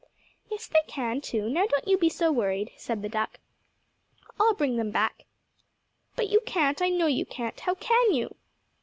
"Yes they can, too; now don't you be so worried," said the duck. "I'll bring them back." "But you can't; I know you can't. How can you?"